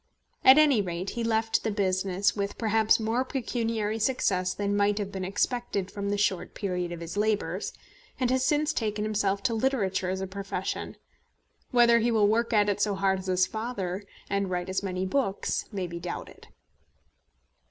At any rate he left the business with perhaps more pecuniary success than might have been expected from the short period of his labours, and has since taken himself to literature as a profession. Whether he will work at it so hard as his father, and write as many books, may be doubted.